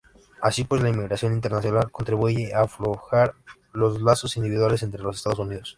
Así pues, la inmigración internacional contribuye a aflojar los lazos individuales entre los Estados.